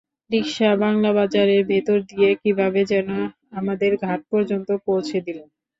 রিকশা বাংলাবাজারের ভেতর দিয়ে কীভাবে যেন আমাদের ঘাট পর্যন্ত পৌঁছে দিল।